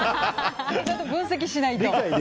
ちゃんと分析しないと。